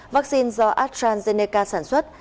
vaccine do astrazeneca sản xuất